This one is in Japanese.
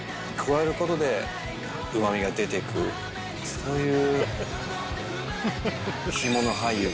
そういう。